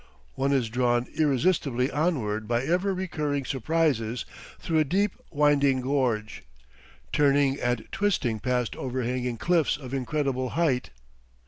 One is drawn irresistibly onward by ever recurring surprises through a deep, winding gorge, turning and twisting past overhanging cliffs of incredible height.